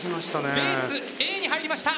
ベースＡに入りました。